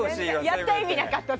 やった意味なかった。